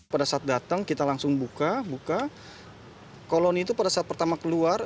pada saat datang kita langsung buka buka koloni itu pada saat pertama keluar